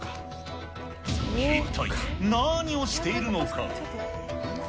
一体、何をしているのか。